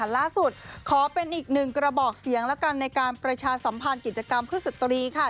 ล่าสุดขอเป็นอีกหนึ่งกระบอกเสียงแล้วกันในการประชาสัมพันธ์กิจกรรมเพื่อสตรีค่ะ